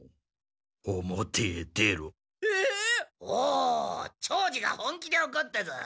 お長次が本気でおこったぞ。